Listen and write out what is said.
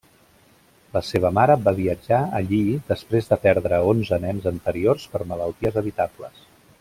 La seva mare va viatjar allí després de perdre onze nens anteriors per malalties evitables.